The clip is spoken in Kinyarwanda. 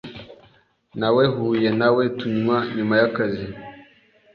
Nawehuye nawe tunywa nyuma yakazi.